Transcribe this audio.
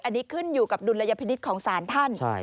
อันนี้ขึ้นอยู่กับดุลยพินิษฐ์ของศาลท่าน